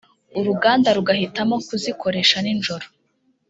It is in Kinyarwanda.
uruganda rugahitamo kuzikoresha nijoro